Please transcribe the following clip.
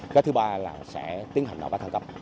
cái thứ ba là sẽ tiến hành nạo vét khẩn cấp